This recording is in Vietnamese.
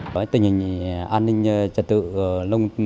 tình hình an ninh trật tự